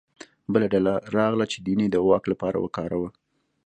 بله ډله راغله چې دین یې د واک لپاره وکاروه